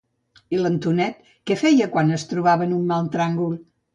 I l'Antonet què feia quan es trobaven en un mal tràngol?